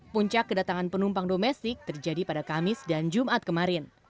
puncak kedatangan penumpang domestik terjadi pada kamis dan jumat kemarin